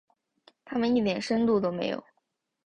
他们一点深度都没有。